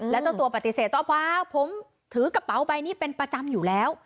แล้วเจ้าตัวปฏิเสธเปล่าผมถือกระเป๋าใบนี้เป็นประจำอยู่แล้ว